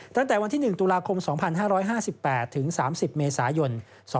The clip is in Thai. ตั้งแต่วันที่๑ตุลาคม๒๕๕๘ถึง๓๐เมษายน๒๕๖